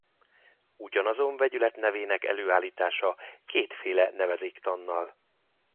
Ugyanazon vegyület nevének előállítása kétféle nevezéktannal.